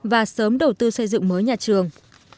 và sớm đầu tư xây dựng mới nhà trường